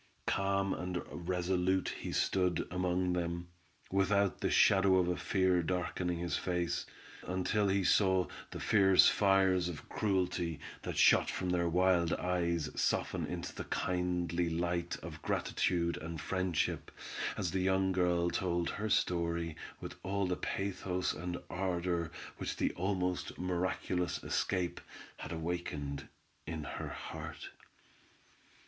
Calm and resolute he stood among them, without the shadow of a fear darkening his face, until he saw the fierce fires of cruelty that shot from their wild eyes soften into the kindly light of gratitude and friendship, as the young girl told her story with all the pathos and ardor which the almost miraculous escape, had awakened in her heart.